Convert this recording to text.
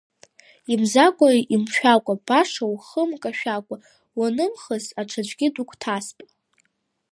Имзакәа-имшәакәа баша ухы мкашәакәа, уанымхыс, аҽаӡәгьы дугәҭасп.